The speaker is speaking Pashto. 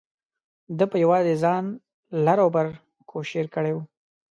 ده په یوازې ځان لر او بر کوشیر کړی و.